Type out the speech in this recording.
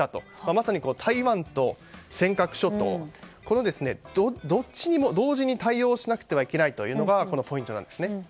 まさに台湾と尖閣諸島この両方に、同時に対応しなければいけないのがこのポイントなんですね。